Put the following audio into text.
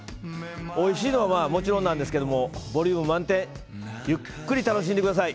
おいしいのはもちろんなんですけどボリューム満点ゆっくり楽しんでください。